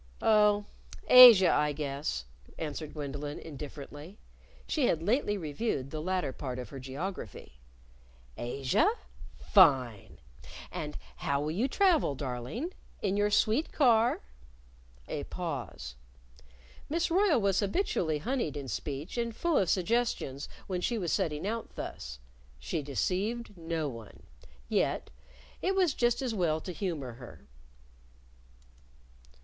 "Oh, Asia, I guess," answered Gwendolyn, indifferently. (She had lately reviewed the latter part of her geography.) "Asia? Fine! And how will you travel, darling? In your sweet car?" A pause. Miss Royle was habitually honeyed in speech and full of suggestions when she was setting out thus. She deceived no one. Yet it was just as well to humor her.